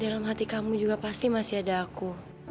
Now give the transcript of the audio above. di dalam hati kamu juga pasti masih ada aku